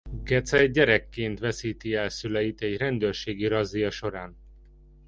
Gece gyermekként veszíti el szüleit egy rendőrségi razzia során.